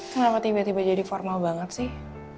kenapa tiba tiba jadi formal banget sih